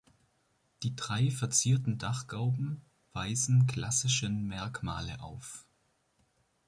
Die drei verzierten Dachgauben weisen klassischen Merkmale auf.